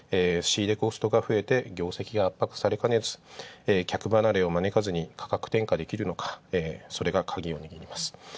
仕入れコストが増えて、業績が圧迫されかねず客離れを招かずに価格転嫁できるのか、それがかぎを握ります。